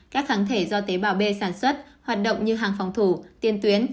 các kháng thể do tế bào b sản xuất hoạt động như hàng phòng thủ tiên tuyến